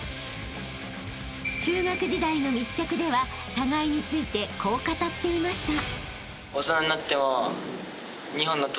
［中学時代の密着では互いについてこう語っていました］